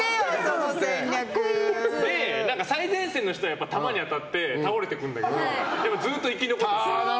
で最前線の人は弾に当たって倒れてくんだけどでもずっと生き残って。